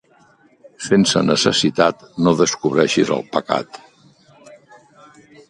Sense necessitat, no descobreixis el pecat.